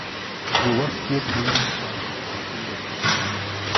He rescued Reading from receivership.